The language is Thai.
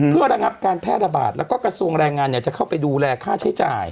เพื่อระงับการแพร่ระบาดแล้วก็กระทรวงแรงงานจะเข้าไปดูแลค่าใช้จ่าย